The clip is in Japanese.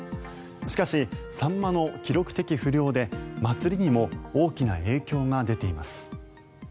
しかし、サンマの記録的不漁で祭りにも大きな影響が出ています。